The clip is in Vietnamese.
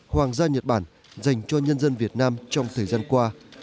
hoàng gia nhật bản dành cho nhân dân việt nam trong thời gian qua